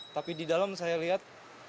tapi di dalam saya lihat